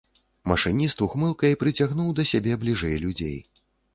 Машыніст ухмылкай прыцягнуў да сябе бліжэй людзей.